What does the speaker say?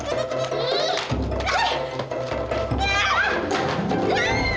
kenapa lo kacau orleans